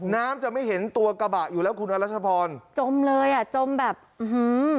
น้ำจะไม่เห็นตัวกระบะอยู่แล้วคุณอรัชพรจมเลยอ่ะจมแบบอื้อหือ